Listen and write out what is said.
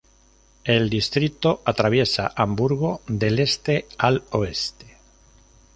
El distrito atraviesa Hamburgo del este al oeste.